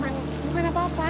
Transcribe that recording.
man bukan apa apa